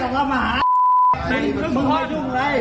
แต่งครึ่งท่อนมาใช้เหงื่ออย่างเงี้ยครึ่งท่อนใจกูมีอะไรอะไร